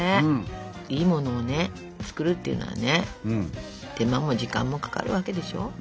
いいものをね作るっていうのはね手間も時間もかかるわけでしょ。